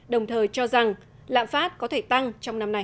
đồng thời cho rằng lạm phát có thể tăng trong năm nay